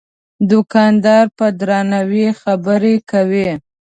دوکاندار په درناوي خبرې کوي.